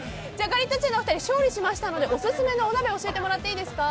ガリットチュウのお二人勝利しましたのでオススメのお鍋教えてもらっていいですか？